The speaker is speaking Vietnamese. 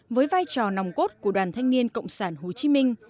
với vai trò nòng cốt của đoàn thanh niên cộng sản hồ chí minh